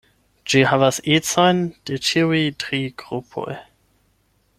Ĝi havas ecojn de ĉiuj tri grupoj.